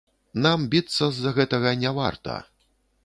Нам біцца з-за гэтага не варта.